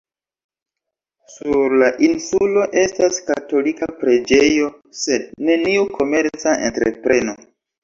Sur la insulo estas katolika preĝejo sed neniu komerca entrepreno.